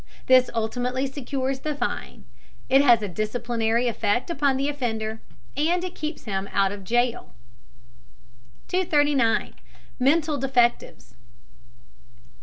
This ultimately secures the fine; it has a disciplinary effect upon the offender; and it keeps him out of jail. 239. MENTAL DEFECTIVES.